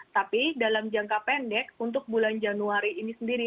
tapi dalam jangka pendek untuk bulan januari ini sendiri